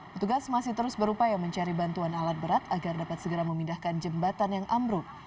petugas masih terus berupaya mencari bantuan alat berat agar dapat segera memindahkan jembatan yang ambruk